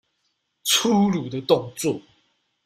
粗魯的動作